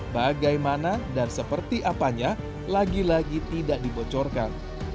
bagaimana dan seperti apanya lagi lagi tidak dibocorkan